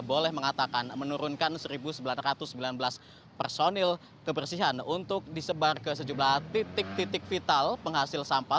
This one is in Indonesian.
boleh mengatakan menurunkan satu sembilan ratus sembilan belas personil kebersihan untuk disebar ke sejumlah titik titik vital penghasil sampah